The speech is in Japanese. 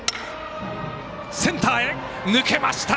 センターへ抜けました。